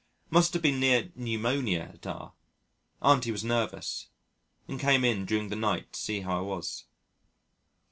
Must have been near pneumonia at R . Auntie was nervous, and came in during the night to see how I was.